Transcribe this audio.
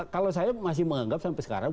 kalau saya masih menganggap sampai sekarang